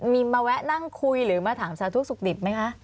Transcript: มีมาแวะนั่งคุยหรือมาถามสาธุสุขดิบไหมคะ